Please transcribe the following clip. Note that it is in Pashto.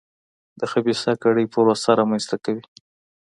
د خبیثه کړۍ پروسه رامنځته کوي.